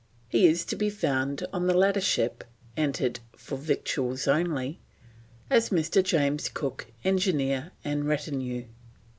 He is to be found on the latter ship, entered "for victuals only," as "Mr. James Cook, Engineer, and Retinue."